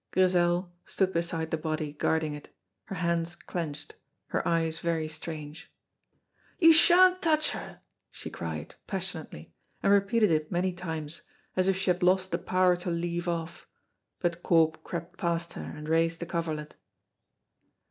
Grizel stood beside the body guarding it, her hands clenched, her eyes very strange. "You sha'n't touch her!" she cried, passionately, and repeated it many times, as if she had lost the power to leave off, but Corp crept past her and raised the coverlet.